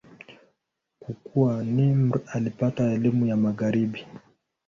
Kukua, Nimr alipata elimu ya Magharibi.